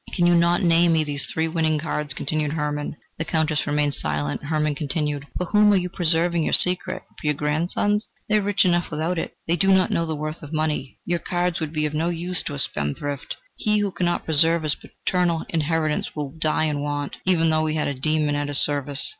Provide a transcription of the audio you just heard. "Can you not name me these three winning cards?" continued Hermann. The Countess remained silent; Hermann continued: "For whom are you preserving your secret? For your grandsons? They are rich enough without it; they do not know the worth of money. Your cards would be of no use to a spendthrift. He who cannot preserve his paternal inheritance, will die in want, even though he had a demon at his service.